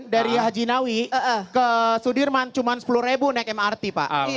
dari haji nawih ke sudirman cuma rp sepuluh naik mrt pak